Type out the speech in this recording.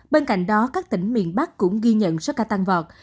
bên cạnh đó các tỉnh miền bắc cũng ghi nhận số ca tăng vọt